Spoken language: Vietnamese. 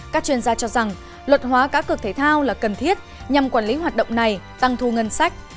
các chuyên gia cho rằng luật hóa cá cược thể thao là cần thiết nhằm quản lý hoạt động này tăng thu ngân sách